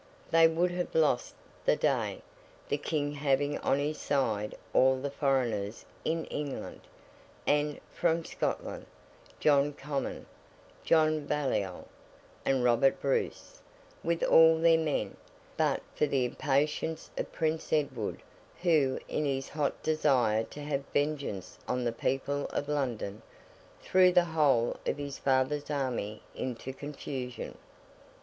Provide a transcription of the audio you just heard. They would have lost the day—the King having on his side all the foreigners in England: and, from Scotland, John Comyn, John Baliol, and Robert Bruce, with all their men—but for the impatience of Prince Edward, who, in his hot desire to have vengeance on the people of London, threw the whole of his father's army into confusion.